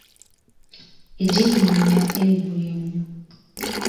Ejighị m ya egwu egwu